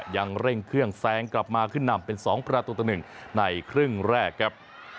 ยังเร่งเครื่องแซงกลับมาขึ้นนำเป็น๒ประตูต่อ๑ในครึ่งแรกครับ